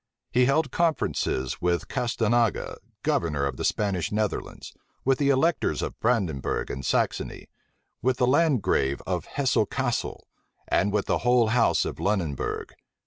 He held conferences with Castanaga, governor of the Spanish Netherlands, with the electors of Brandenburgh and Saxony, with the landgrave of Hesse Cassel, and with the whole house of Lunenbourg.